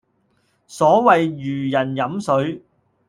所謂如人飲水